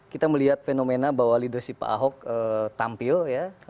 kita melihat fenomena bahwa leadership pak ahok tampil ya